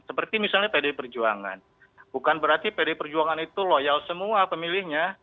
seperti misalnya pdi perjuangan bukan berarti pdi perjuangan itu loyal semua pemilihnya